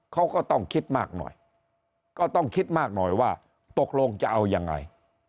เขาก็ต้องคิดมากหน่อยก็ต้องคิดมากหน่อยว่าตกลงจะเอายังไง